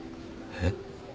えっ？